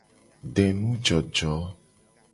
Denujojo.